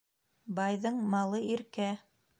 Байҙың малы иркә